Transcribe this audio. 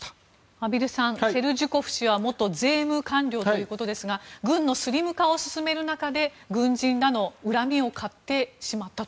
畔蒜さんセルジュコフ氏は元税務官僚ということですが軍のスリム化を進める中で軍人らの恨みを買ってしまったと。